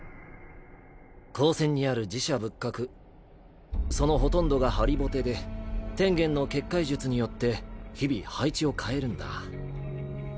高専にある寺社仏閣そのほとんどが張りぼてで天元の結界術によって日々配置を変えるんだ。